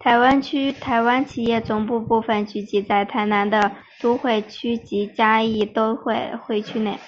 台湾企业总部部份聚集在台南都会区及嘉义都会区内。